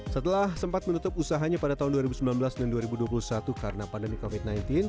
setelah sempat menutup usahanya pada tahun dua ribu sembilan belas dan dua ribu dua puluh satu karena pandemi covid sembilan belas